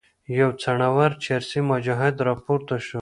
یو څڼور چرسي مجاهد راپورته شو.